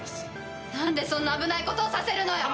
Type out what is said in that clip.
なんでそんな危ないことをさせるのよ！？